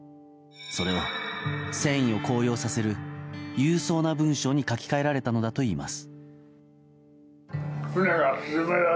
それを戦意を高揚させる勇壮な文章に書き換えられたのだといいます。